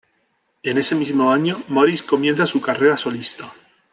En ese mismo año, Moris comienza su carrera solista.